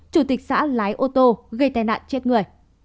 chủ tịch xã lái ô tô gây tai nạn chết người